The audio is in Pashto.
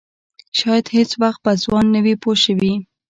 شاید هېڅ وخت به ځوان نه وي پوه شوې!.